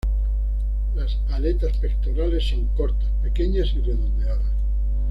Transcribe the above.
Las aletas pectorales son cortas, pequeñas y redondeadas.